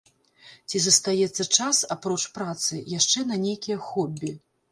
Ці застаецца час, апроч працы, яшчэ на нейкія хобі?